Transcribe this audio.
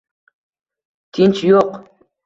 Tinch yo’q